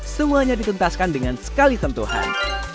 semuanya ditentaskan dengan sekali tentuhan